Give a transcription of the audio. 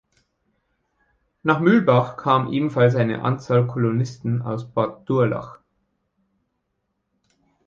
Nach Mühlbach kam ebenfalls eine Anzahl Kolonisten aus Baden-Durlach.